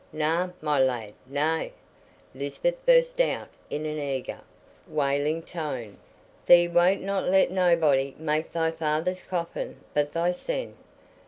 "Nay, my lad, nay," Lisbeth burst out in an eager, wailing tone; "thee wotna let nobody make thy feyther's coffin but thysen?